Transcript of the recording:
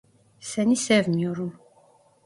Seni sevmiyorum.